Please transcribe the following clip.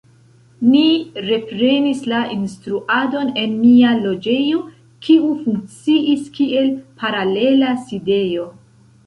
Ni reprenis la instruadon en mia loĝejo, kiu funkciis kiel paralela sidejo.